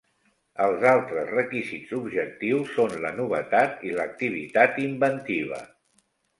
Els altres requisits objectius són la novetat i l'activitat inventiva.